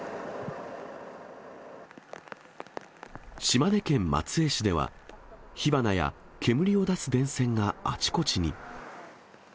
島根県松江市では、火花や煙を出す電線があちこちに。